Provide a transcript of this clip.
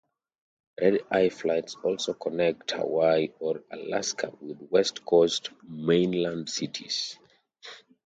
Red-eye flights also connect Hawaii or Alaska with West Coast mainland cities.